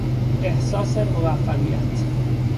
احساس موفقیت